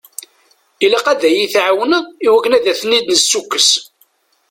Ilaq ad yi-tɛawneḍ i wakken ad ten-id-nessukkes.